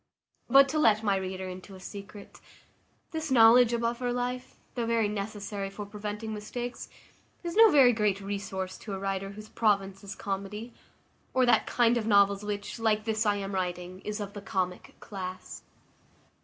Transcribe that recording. But to let my reader into a secret, this knowledge of upper life, though very necessary for preventing mistakes, is no very great resource to a writer whose province is comedy, or that kind of novels which, like this I am writing, is of the comic class.